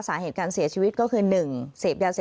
สาเหตุการเสียชีวิตก็คือ๑เสพยาเสพปิดเกินขนาด